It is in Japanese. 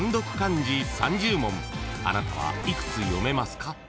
［あなたは幾つ読めますか？］